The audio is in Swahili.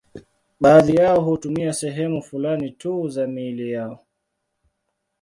Baadhi yao hutumia sehemu fulani tu za miili yao.